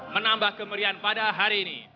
menambah kemerian pada hari ini